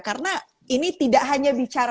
karena ini tidak hanya bicara